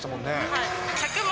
はい。